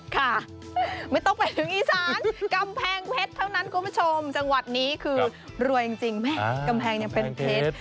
ค่ะไม่ต้องไปถึงอีสานกำแพงเพชรเท่านั้นคุณผู้ชมจังหวัดนี้คือรวยจริงแม่กำแพงยังเป็นเพชร